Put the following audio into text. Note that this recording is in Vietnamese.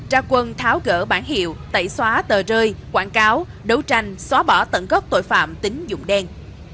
ra quân tháo gỡ bản hiệu tẩy xóa tờ rơi quảng cáo đấu tranh xóa bỏ tận gốc tội phạm tính dụng đen